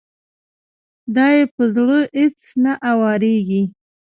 دا يې په زړه اېڅ نه اوارېږي.